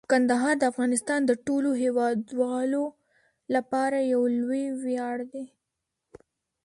کندهار د افغانستان د ټولو هیوادوالو لپاره یو لوی ویاړ دی.